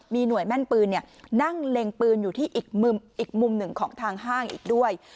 มีหน่วยแม่นปืนนั่งเล็งปืนอยู่ที่อีกมุมหนึ่งของทางห้างอีกด้วย